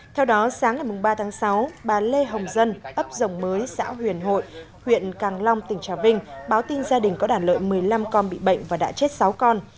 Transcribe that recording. theo đó sáng ngày ba tháng sáu bà lê hồng dân ấp dòng mới xã huyền hội huyện càng long tỉnh trà vinh báo tin gia đình có đả lợi một mươi năm con bị bệnh và đã chết sáu con